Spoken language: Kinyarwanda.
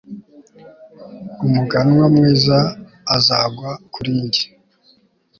umuganwa mwiza azagwa kuri njye